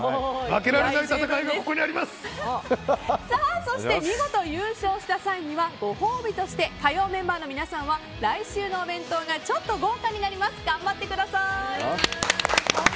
負けられない戦いがそして見事優勝した際にはご褒美として火曜メンバーの皆さんは来週のお弁当がちょっと豪華になります。